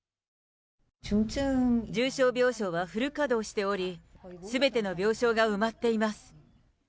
重症病床はフル稼働しており、すべての病床が埋まっています。